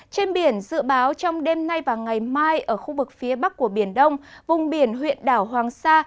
trên biển dự báo trong đêm nay và ngày mai ở khu vực phía bắc của biển đông vùng biển huyện đảo hoàng sa